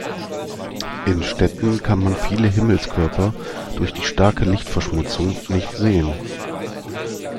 In Städten kann man viele Himmelskörper durch die starke Lichtverschmutzung nicht sehen.